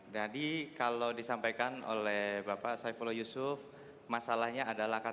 jadi kalau disampaikan oleh bapak saifullah yusuf masalahnya adalah ktp ganda